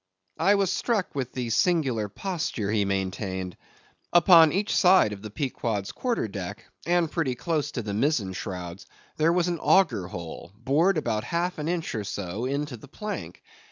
I was struck with the singular posture he maintained. Upon each side of the Pequod's quarter deck, and pretty close to the mizzen shrouds, there was an auger hole, bored about half an inch or so, into the plank.